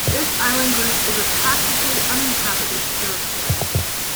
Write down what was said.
This island group is a practically uninhabited territory.